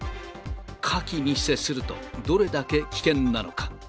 火気に接すると、どれだけ危険なのか。